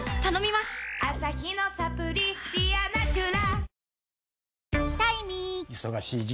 アサヒのサプリ「ディアナチュラ」